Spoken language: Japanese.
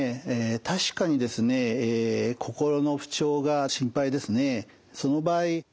確かにですね心の不調が心配ですね。